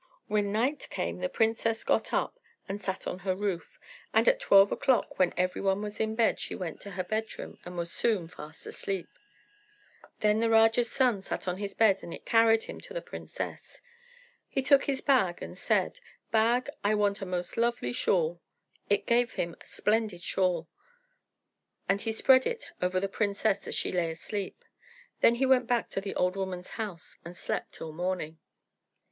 When night came the princess got up and sat on her roof, and at twelve o'clock, when every one was in bed, she went to her bed room, and was soon fast asleep. Then the Raja's son sat on his bed, and it carried him to the princess. He took his bag and said, "Bag, I want a most lovely shawl." It gave him a splendid shawl, and he spread it over the princess as she lay asleep. Then he went back to the old woman's house and slept till morning.